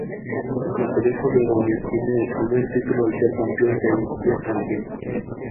El Colegio Begoña obtiene el primer título al ser campeón de Asturias alevín.